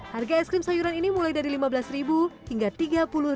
harga es krim sayuran ini mulai dari lima belas hingga tiga puluh rupiah